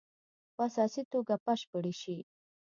په اساسي توګه بشپړې شي.